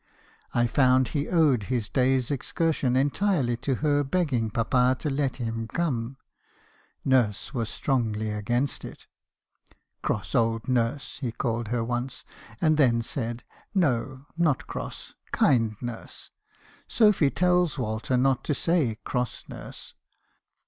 1 found he owed this day's excursion entirely to her begging papa to let him come; nurse was strongly against it — 'cross old nurse!' he called her once, and then said, 'No, not cross; kind nurse ; Sophy tells Walter not to say cross nurse.'